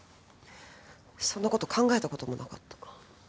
そんなこと考えたこともなかった。